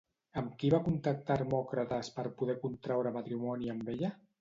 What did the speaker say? Amb qui va contactar Hermòcrates per poder contraure matrimoni amb ella?